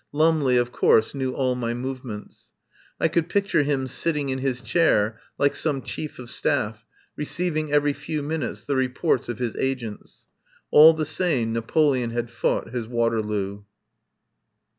Lumley of course knew all my movements. I could picture him sitting in his chair, like some Chief of Staff, receiv ing every few minutes the reports of his agents. All the same Napoleon had fought his Waterloo.